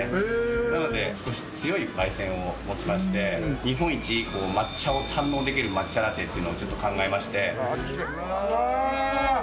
なので少し強いばい煎をしまして、日本一抹茶を堪能できる抹茶ラテというのをちょっと考えまして。